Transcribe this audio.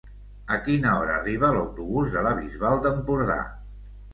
A quina hora arriba l'autobús de la Bisbal d'Empordà?